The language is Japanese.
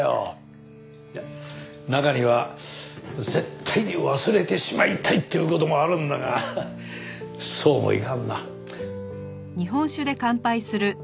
中には絶対に忘れてしまいたいっていう事もあるんだがそうもいかんな。